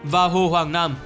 và hồ hoàng nam